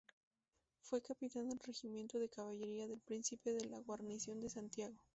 Fue capitán del Regimiento de Caballería del Príncipe, de la Guarnición de Santiago.